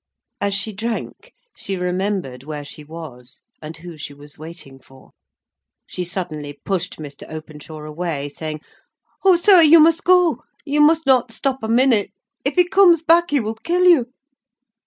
As she drank, she remembered where she was, and who she was waiting for. She suddenly pushed Mr. Openshaw away, saying, "O, sir, you must go. You must not stop a minute. If he comes back he will kill you."